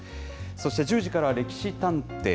そして１０時からは歴史探偵。